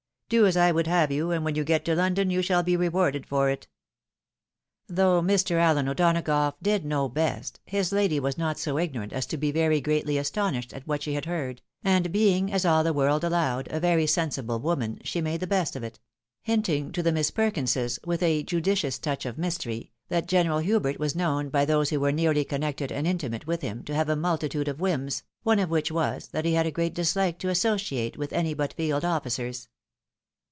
Do as I would have you, and when you get to London you shall be rewarded for it." Though Mr. Allen O'Donagough did know hest, his lady was not so ignorant as to be very greatly astonished at what she had heard ; and being, as all the world allowed, a very sensible woman, she made the best of it — hinting to the Miss Perkinses, with a judicious touch of mystery, that General Hubert was known, by those who were nearly connected and intimate with him, to have a miiltitude of whims, one of which was, that he had a great dislike to associate with any but field officers.